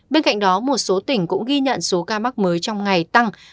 bên cạnh đó một số tỉnh cũng ghi nhận số ca mắc mới trong ngày tăng